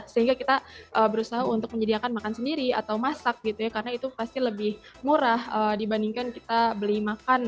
sehingga kita berusaha untuk menyediakan makan sendiri atau masak gitu ya karena itu pasti lebih murah dibandingkan kita beli makan